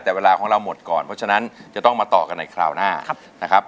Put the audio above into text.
แต่เวลาของเราหมดก่อนเพราะฉะนั้นจะต้องมาต่อกันในคราวหน้านะครับ